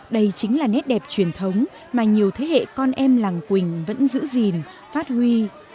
đây chính là nét đẹp truyền thống mà nhiều thế hệ con em làng quỳnh vẫn giữ gìn phát huy